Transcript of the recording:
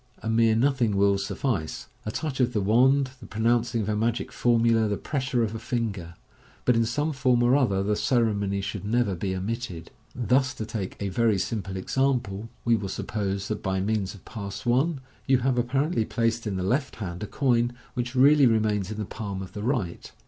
A mere nothing will suffice — a touch of the wand, the pronouncing of a magic formula, the pressure of a finger j but in some form or other the ceremony should never be omitted. Thus, to take a very simple example, we will suppose that by means of Pass I you have apparently placed in the left hand a coin, which really remains in the palm of the right.